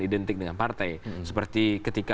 identik dengan partai seperti ketika